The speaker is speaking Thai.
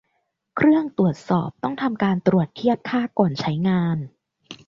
เครื่องตรวจสอบต้องทำการตรวจเทียบค่าก่อนใช้งาน